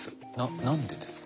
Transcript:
何でですか？